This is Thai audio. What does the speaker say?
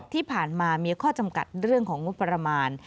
ที่ผ่านมามีข้อจำกัดเรื่องของงบประมาณ